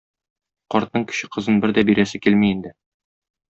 Картның кече кызын бер дә бирәсе килми инде.